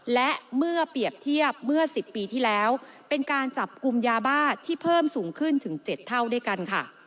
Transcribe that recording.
และเมื่อเปรียบเทียบเมื่อ๑๐ปีที่แล้วเป็นการจับกลุ่มยาบ้าที่เพิ่มสูงขึ้นถึง๗เท่าด้วยกันค่ะ